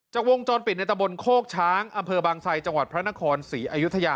วงจรปิดในตะบนโคกช้างอำเภอบางไซจังหวัดพระนครศรีอยุธยา